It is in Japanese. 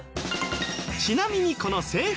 ちなみにこの制服